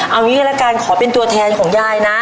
เอางี้ละกันขอเป็นตัวแทนของยายนะ